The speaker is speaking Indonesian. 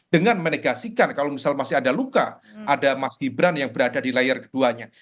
dengan menegasikan kalau misal masih ada luka ada mas gibran yang berada di layer keduanya